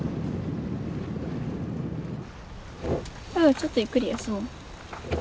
ちょっとゆっくり休もう。